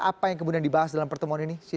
apa yang kemudian dibahas dalam pertemuan ini